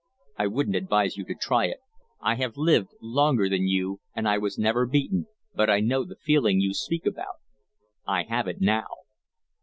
"I wouldn't advise you to try it. I have lived longer than you and I was never beaten, but I know the feeling you speak about. I have it now."